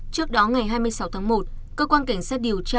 trước đó ngày hai mươi sáu tháng một cơ quan cảnh sát điều tra